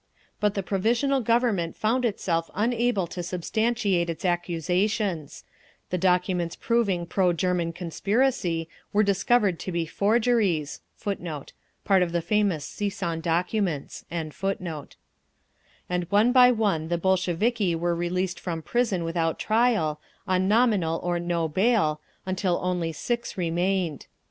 But the Provisional Government found itself unable to substantiate its accusations; the documents proving pro German conspiracy were discovered to be forgeries; and one by one the Bolsheviki were released from prison without trial, on nominal or no bail until only six remained.